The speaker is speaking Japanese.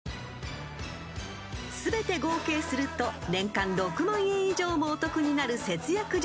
［全て合計すると年間６万円以上もお得になる節約術